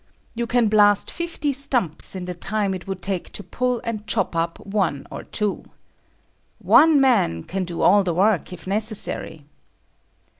You can blast fifty stumps in the time it would take to pull and chop up one or two. One man can do all the work, if necessary.